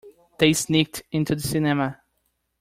They sneaked into the cinema.